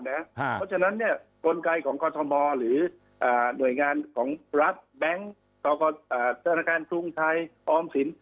เพราะฉะนั้นกลไกของกรทมหรือหน่วยงานของรัฐแบงค์ธนาคารกรุงไทยออมสิน